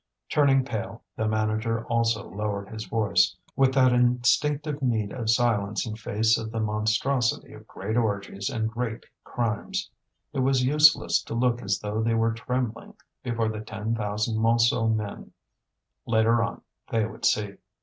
Turning pale, the manager also lowered his voice, with that instinctive need of silence in face of the monstrosity of great orgies and great crimes. It was useless to look as though they were trembling before the ten thousand Montsou men; later on they would see.